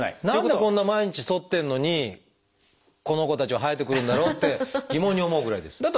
何でこんな毎日そってるのにこの子たちは生えてくるんだろうって疑問に思うぐらいです。